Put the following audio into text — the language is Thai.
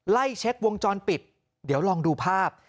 ไล่เช็ควงจรปิดเดี๋ยวลองดูภาพ